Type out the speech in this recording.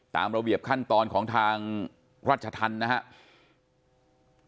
ตามระเบียบขั้นตอนของทางราชธรรมนะครับ